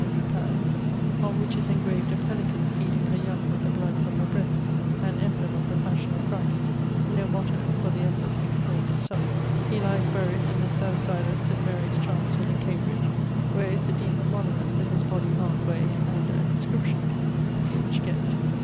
_), on which is engraved a pelican feeding her young with the bloud from her breast (an embleme of the passion of Christ), no motto, for the embleme explained it selfe. He lies buried in the south side of St. Marie's chancell, in Cambridge, wher is a decent monument, with his body halfe way, and an inscription, which gett.